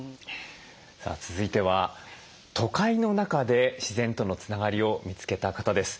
さあ続いては都会の中で自然とのつながりを見つけた方です。